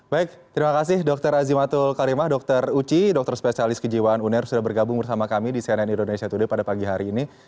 baik terima kasih dokter azimatul karimah dr uci dokter spesialis kejiwaan uner sudah bergabung bersama kami di cnn indonesia today pada pagi hari ini